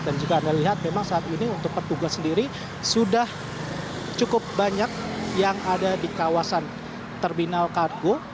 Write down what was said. dan jika anda lihat memang saat ini untuk petugas sendiri sudah cukup banyak yang ada di kawasan terminal kargo